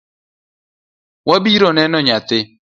Wabiro neno nyathi.